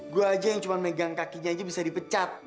gue aja yang cuma megang kakinya aja bisa dipecat